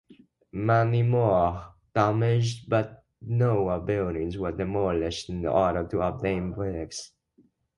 Many more damaged but newer buildings were demolished in order to obtain bricks.